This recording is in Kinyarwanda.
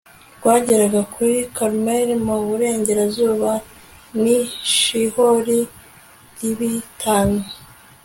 rwageraga kuri karumeli mu burengerazuba, n'i shihori libinati